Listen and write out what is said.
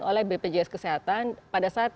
oleh bpjs kesehatan pada saat